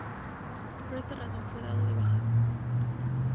Por esta razón fue dado de baja.